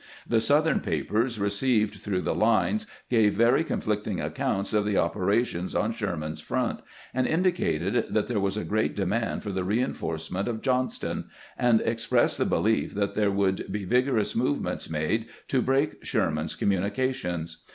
The Southern papers received through the lines gave very conflicting accounts of the operations on Sherman's front, and indicated that there was a great demand for the reinforcement of Johnston, and expressed the belief that there would be vigorous movements made to break Sherman's communications.